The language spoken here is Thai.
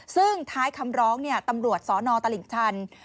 ซึ่งท้ายคำร้องตำรวจสนตลิ่งชัน